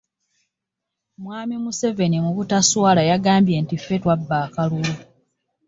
Mwami Museveni mu butaswala yagamba nti ffe twabba akalulu.